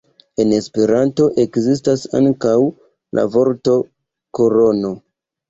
En Esperanto ekzistas ankaŭ la vorto korono.